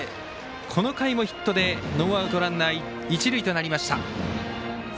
この回もヒットでノーアウト、ランナー、一塁となりました。